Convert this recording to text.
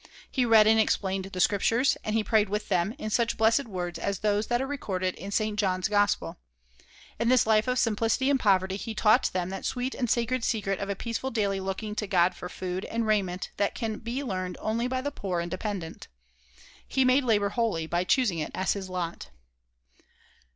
He read and explained the Scriptures, and he prayed with them, in such blessed words as those that are recorded in St. John's Gospel. In this life of simplicity and poverty he taught them that sweet and sacred secret of a peaceful daily looking to God for food and raiment that can be learned only by the poor and dependent. He made labor holy by choosing it as his lot.